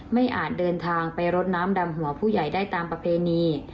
อาจเดินทางไปรดน้ำดำหัวผู้ใหญ่ได้ตามประเพณี